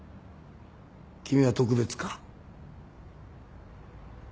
君は特別か？